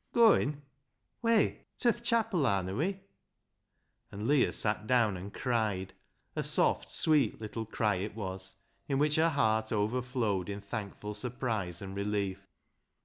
"" Goin' ? Whey to th' chapil, arna we ?" And Leah sat down and cried, a soft sweet little cry it was in which her heart overflowed in thankful surprise and relief.